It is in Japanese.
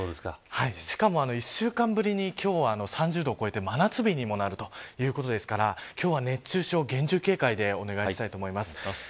しかも１週間ぶりに今日は３０度を超えて真夏日にもなるということですから今日は熱中症に厳重警戒でお願いしたいと思います。